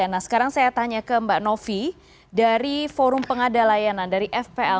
nah sekarang saya tanya ke mbak novi dari forum pengada layanan dari fpl